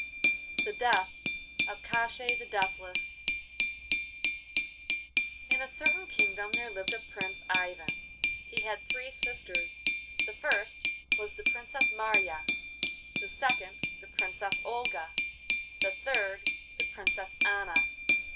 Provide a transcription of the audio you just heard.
THE DEATH OF KOSHCHEI THE DEATHLESS In a certain kingdom there lived a Prince Ivan. He had three sisters. The first was the Princess Marya, the second the Princess Olga, the third the Princess Anna.